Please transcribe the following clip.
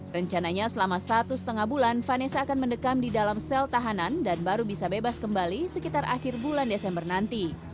rencananya selama satu setengah bulan vanessa akan mendekam di dalam sel tahanan dan baru bisa bebas kembali sekitar akhir bulan desember nanti